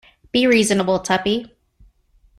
Be reasonable, Tuppy.